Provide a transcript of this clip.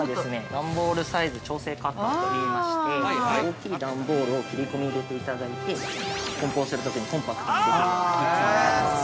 段ボールサイズ調整カッターといいまして大きい段ボールを切り込み入れていただいて梱包するときにコンパクトにできる。